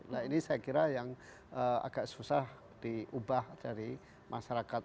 saya kira yang agak susah diubah dari masyarakat